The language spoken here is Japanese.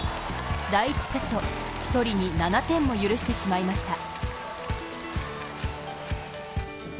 第１セット、１人に７点も許してしまいました。